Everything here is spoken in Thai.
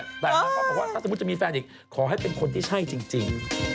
แต่นางก็บอกว่าถ้าสมมุติจะมีแฟนอีกขอให้เป็นคนที่ใช่จริง